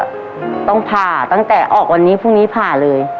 ต้องผ่าตั้งแต่ออกวันนี้พรุ่งนี้ผ่าเลย